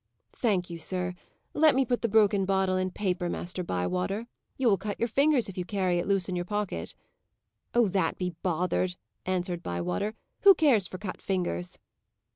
"Thank you, sir. Let me put the broken bottle in paper, Master Bywater. You will cut your fingers if you carry it loose in your pocket." "Oh, that be bothered!" answered Bywater. "Who cares for cut fingers?"